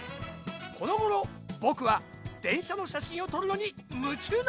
このごろぼくはでんしゃのしゃしんをとるのにむちゅうなんだ。